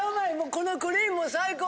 このクリームも最高！